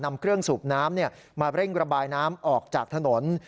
นำเครื่องสูบน้ำมาเร่งระบายน้ำออกจากถนน